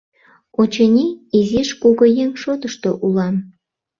Очыни, изиш кугыеҥ шотышто улам.